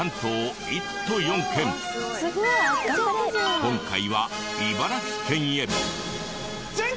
今回は茨城県へ。